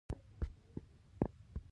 که باران ودریږي، نو لمر به راښکاره شي.